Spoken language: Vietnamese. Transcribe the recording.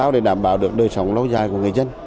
để đảm bảo được đời sống lâu dài của người dân